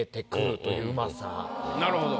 なるほど。